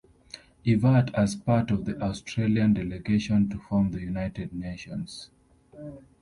Evatt as part of the Australian Delegation to form the United Nations.